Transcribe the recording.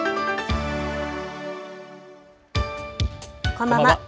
こんばんは。